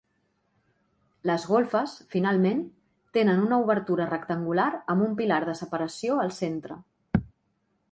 Les golfes, finalment, tenen una obertura rectangular amb un pilar de separació al centre.